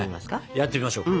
やってみましょうか？